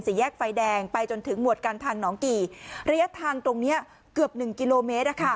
แยกไฟแดงไปจนถึงหมวดการทางหนองกี่ระยะทางตรงเนี้ยเกือบหนึ่งกิโลเมตร